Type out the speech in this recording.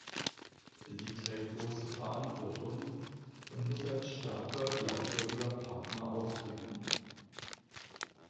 Sie trägt große Verantwortung und muss als starker, glaubwürdiger Partner auftreten.